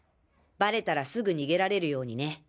バレたらすぐ逃げられるようにね。